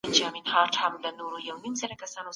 قضاوت په احتیاط وکړئ.